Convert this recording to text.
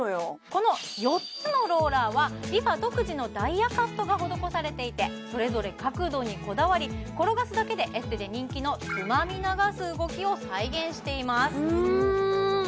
この４つのローラーはＲｅＦａ独自のダイヤカットが施されていてそれぞれ角度にこだわり転がすだけでエステで人気のつまみ流す動きを再現していますうん！